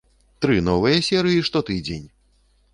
Тры новыя серыі штотыдзень!